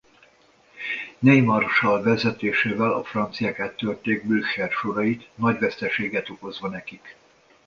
Ney marsallt vezetésével a franciák áttörték Blücher sorait nagy veszteséget okozva nekik.